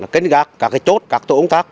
kết gác các chốt các tổ ứng tác